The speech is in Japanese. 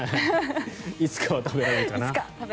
いつかは食べられるかな。